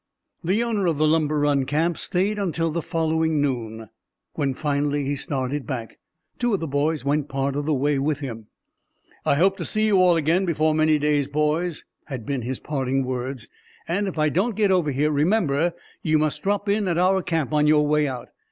The owner of Lumber Run Camp stayed until the following noon. When finally he started back, two of the boys went part of the way with him. "I hope to see you all again before many days, boys," had been his parting words, "and if I don't get over here, remember you must drop in at our camp on your way out.